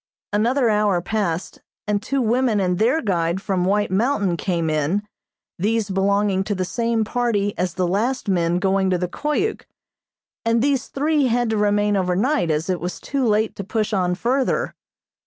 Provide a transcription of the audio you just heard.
Another hour passed and two women and their guide from White Mountain came in, these belonging to the same party as the last men going to the Koyuk, and these three had to remain over night as it was too late to push on further.